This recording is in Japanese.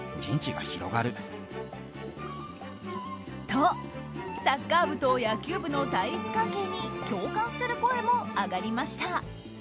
と、サッカー部と野球部の対立関係に共感する声も上がりました。